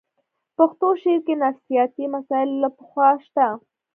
پښتو شعر کې نفسیاتي مسایل له پخوا شته